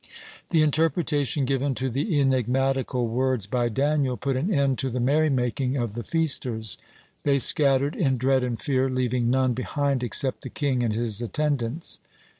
The interpretation given to the enigmatical words by Daniel put an end to the merry making of the feasters. They scattered in dread and fear, leaving none behind except the king and his attendants.